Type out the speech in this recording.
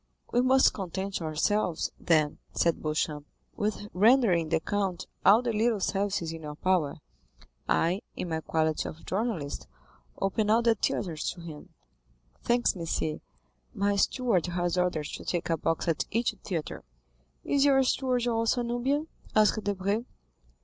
"We must content ourselves, then," said Beauchamp, "with rendering the count all the little services in our power. I, in my quality of journalist, open all the theatres to him." "Thanks, monsieur," returned Monte Cristo, "my steward has orders to take a box at each theatre." "Is your steward also a Nubian?" asked Debray.